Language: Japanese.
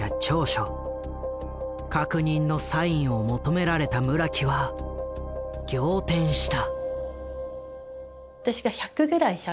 確認のサインを求められた村木は仰天した。